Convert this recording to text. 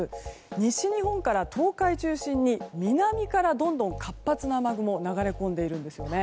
西日本から東海を中心に南から、どんどん活発な雨雲が流れ込んでいるんですよね。